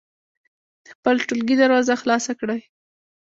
د خپل ټولګي دروازه خلاصه کړئ.